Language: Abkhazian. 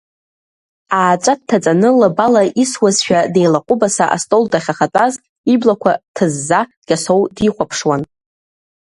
Ааҵәа дҭаҵаны лабала исуазшәа деилаҟәыбаса астол дахьахатәаз, иблақәа ҭызза Кьасоу дихәаԥшуан.